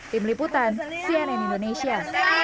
tim liputan cnn indonesia